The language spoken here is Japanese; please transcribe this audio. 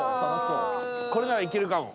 これならいけるかも。